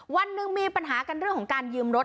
วันหนึ่งมีปัญหากันเรื่องของการยืมรถ